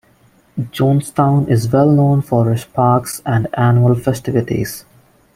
Jonestown is well known for its parks and annual festivities.